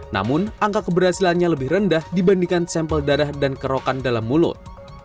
namun angka keberhasilannya lebih rendah dibandingkan sampel darah dan kerokan dalam mulut